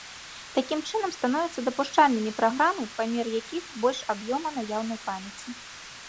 Такім чынам становяцца дапушчальнымі праграмы, памер якіх больш аб'ёма наяўнай памяці.